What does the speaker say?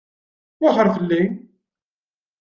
Wexxeṛ fell-i!